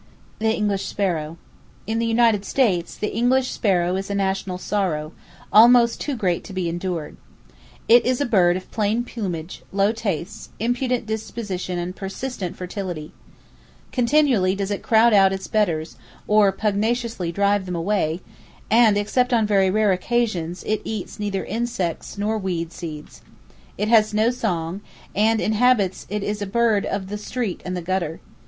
The English Sparrow. —In the United States, the English sparrow is a national sorrow, almost too great to be endured. It is a bird of plain plumage, low tastes, impudent disposition and persistent fertility. Continually does it crowd out its betters, or pugnaciously drive them away, and except on very rare occasions it eats neither insects nor weed seeds. It has no song, and in habits it is a bird of the street and the gutter.